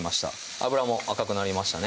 脂も赤くなりましたね